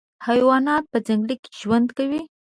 حیوانات په ځنګل کي ژوند کوي.